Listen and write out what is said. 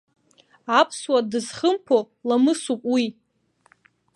Аԥсуа дызхымԥо ламысуп уи.